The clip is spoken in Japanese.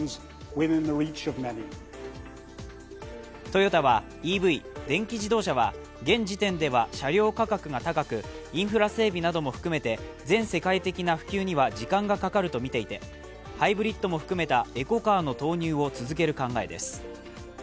トヨタはＥＶ＝電気自動車は現時点では車両価格が高くインフラ整備なども含めて全世界的な普及には時間がかかるとみていてハイブリッドも含めたエコカーの投入を続ける考えです。